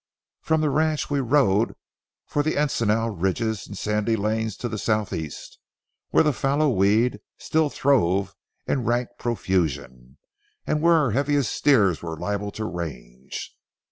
From the ranch we rode for the encinal ridges and sandy lands to the southeast, where the fallow weed still throve in rank profusion, and where our heaviest steers were liable to range.